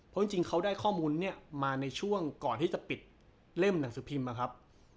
เพราะจริงเขาได้ข้อมูลเนี่ยมาในช่วงก่อนที่จะปิดเล่มหนังสือพิมพ์นะครับ